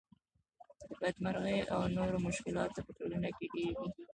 بدمرغۍ او نور مشکلات په ټولنه کې ډېر دي